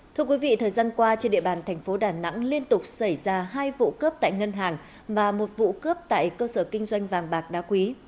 thưa quý vị thời gian qua trên địa bàn thành phố đà nẵng liên tục xảy ra hai vụ cướp tại ngân hàng và một vụ cướp tại cơ sở kinh doanh vàng bạc đá quý